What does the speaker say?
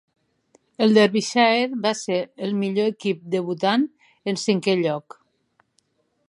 El Derbyshire va ser el millor equip debutant, en cinquè lloc.